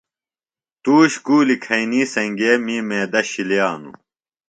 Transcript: تُوش گُولیۡ کھئینی سنگئے می میدہ شِلیانوۡ۔